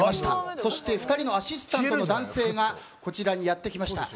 そして２人のアシスタントの男性がこちらにやって来ました。